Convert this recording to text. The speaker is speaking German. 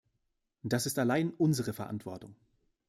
Das ist allein unsere Verantwortung.